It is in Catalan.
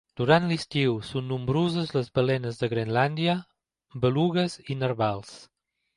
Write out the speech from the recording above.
Durant l'estiu són nombroses les balenes de Grenlàndia, belugues i narvals.